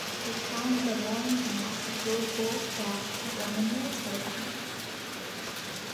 The towns of Worms and Alzey go both back to Roman military camps.